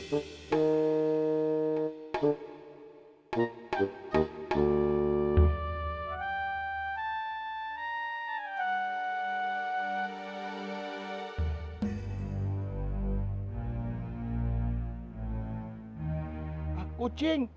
terima kasih udah nontonin